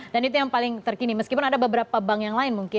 dan itu yang paling terkini meskipun ada beberapa bank yang lain mungkin